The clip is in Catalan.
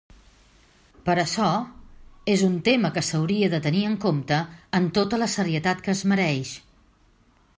Per açò, és un tema que s'hauria de tenir en compte amb tota la serietat que es mereix.